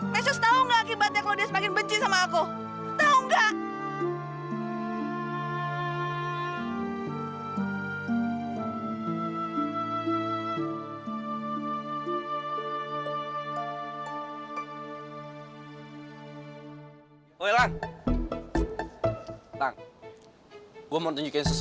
mas yos tau gak akibatnya kalau dia semakin benci sama aku